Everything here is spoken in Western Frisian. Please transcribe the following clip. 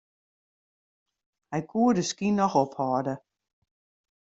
Hy koe de skyn noch ophâlde.